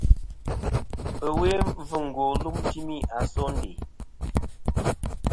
Ɨwe mbvɨngo lum timi a sondè.